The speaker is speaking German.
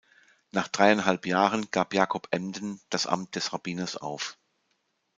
Nach dreieinhalb Jahren gab Jacob Emden das Amt des Rabbiners auf.